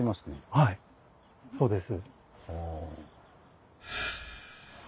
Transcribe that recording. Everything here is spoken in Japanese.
はいそうです。